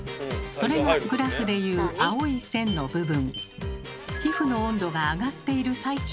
それがグラフでいうと赤い線の部分。